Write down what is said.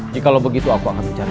jika lo begitu aku akan mencari